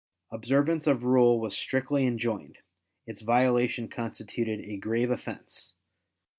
Observance of rule was strictly enjoined, its violation constituted a grave offense.